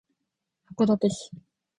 函館市